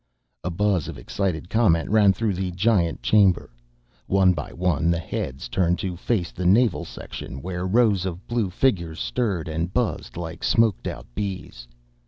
A buzz of excited comment ran through the giant chamber. One by one the heads turned to face the Naval section where rows of blue figures stirred and buzzed like smoked out bees.